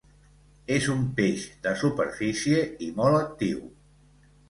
És un peix de superfície i molt actiu.